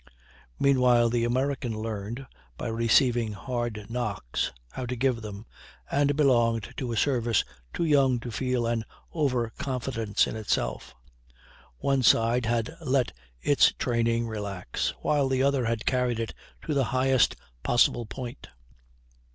Meanwhile the American learned, by receiving hard knocks, how to give them, and belonged to a service too young to feel an over confidence in itself. One side had let its training relax, while the other had carried it to the highest possible point.